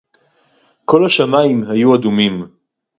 כָּל הַשָּׁמַיִם הָיוּ אֲדֻמִּים